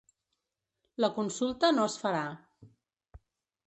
La consulta no es farà.